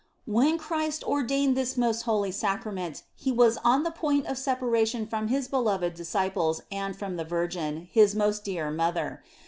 When Christ ordained this most holy Sacrament He was on the point of separation from His beloved disciples and from the Virgin, His most dear mother.